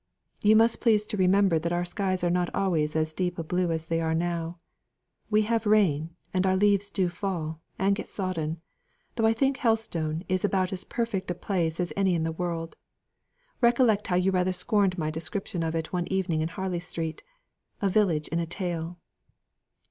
"You must please to remember that our skies are not always as deep a blue as they are now. We have rain, and our leaves do fall, and get sodden: though I think Helstone is about as perfect a place as any in the world. Recollect how you rather scorned my description of it one evening in Harley Street: 'a village in a tale.